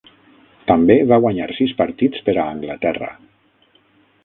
També va guanyar sis partits per a Anglaterra.